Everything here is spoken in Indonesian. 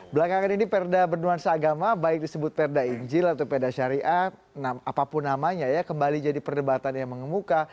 belakangan ini perda bernuansa agama baik disebut perda injil atau perda syariah apapun namanya ya kembali jadi perdebatan yang mengemuka